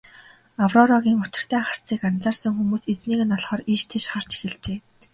Аврорагийн учиртай харцыг анзаарсан хүмүүс эзнийг нь олохоор ийш тийш харж эхэлжээ.